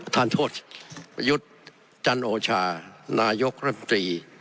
ท่านโทษประยุทธ์จันโอชานายกรัฐมนตรี